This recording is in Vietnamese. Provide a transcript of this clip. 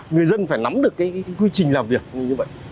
người dân phải nắm được cái quy trình làm việc như vậy